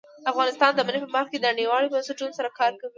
افغانستان د منی په برخه کې نړیوالو بنسټونو سره کار کوي.